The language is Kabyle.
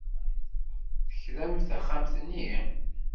Tekramt taxxamt-nni?